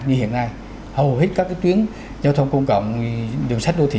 như hiện nay hầu hết các cái tuyến giao thông công cộng đường sách đô thị